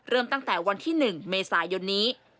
ตั้งแต่วันที่๑เมษายนนี้